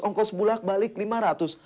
ongkos bulat balik lima ratus